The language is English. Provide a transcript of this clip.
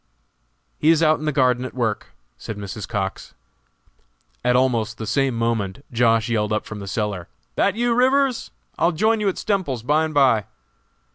"He is out in the garden at work," said Mrs. Cox. At almost the same moment Josh. yelled up from the cellar: "That you, Rivers? I'll join you at Stemples's, by and by."